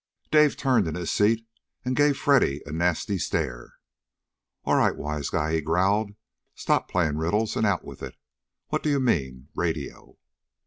Dave turned in the seat and gave Freddy a nasty stare. "All right, wise guy!" he growled. "Stop playing riddles, and out with it. What do you mean, radio?"